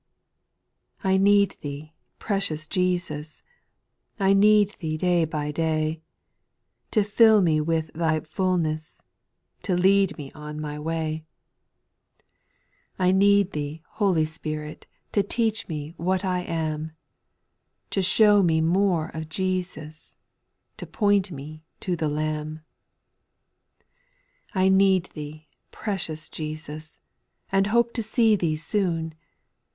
6. I need Thee, precious Jesus I I need Thee day by day, To fill me with Thy fullness, to lead me on my way ; SPIRITUAL SONGS 279 I need Thy Holy Spirit to teacb me what I am, To show me more of Jesus, to point me to the Lamb, j 6. I need Thee, x^recious Jesus I and hope to see Thee soon.